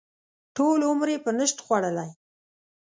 ټول عمر یې په نشت خوړلی.